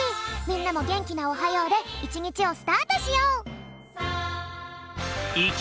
みんなもげんきな「おはよう」でいちにちをスタートしよう！